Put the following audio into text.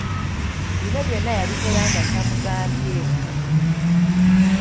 Bino byonna yabikola nga tamugambyeko.